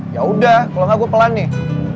yaudah kalo engga gue pelan nih